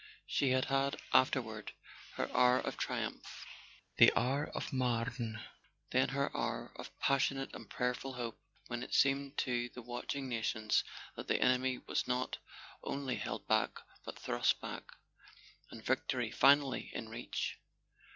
She had had, afterward, her hour of triumph, the hour of the Marne; then her hour of passionate and prayerful hope, when it seemed to the watching nations that the enemy was not only held back but thrust back, and victory finally in reach.